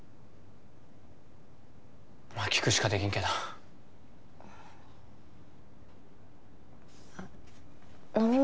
まあ聞くしかできんけどあっ飲み物